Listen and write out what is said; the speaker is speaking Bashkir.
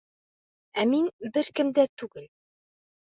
Ә мин бер кем дә түгел...